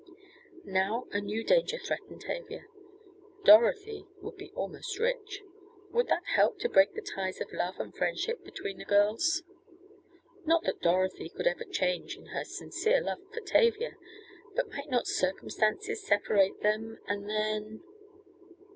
Now a new danger threatened Tavia: Dorothy would be almost rich. Would that help to break the ties of love and friendship between the girls? Not that Dorothy could ever change in her sincere love for Tavia, but might not circumstances separate them, and then